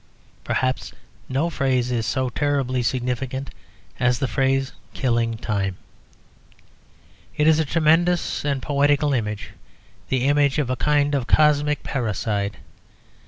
Perhaps no phrase is so terribly significant as the phrase "killing time." It is a tremendous and poetical image, the image of a kind of cosmic parricide.